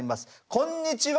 こんにちは。